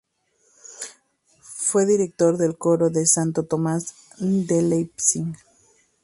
Fue director del Coro de Santo Tomás de Leipzig.